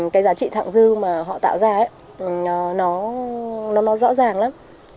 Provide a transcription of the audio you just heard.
cái giá trị thẳng dư mà họ tạo ra ấy nó rõ ràng lắm